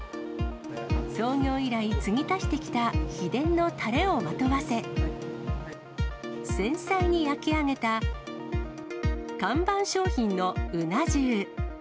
創業以来、継ぎ足してきた秘伝のたれをまとわせ、繊細に焼き上げた看板商品のうな重。